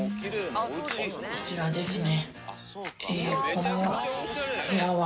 こちらですね。